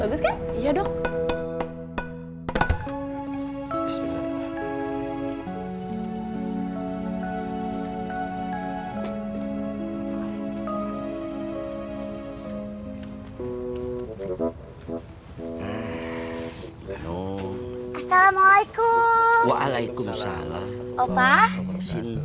assalamualaikum waalaikumsalam opa opo